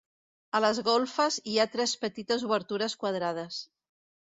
A les golfes, hi ha tres petites obertures quadrades.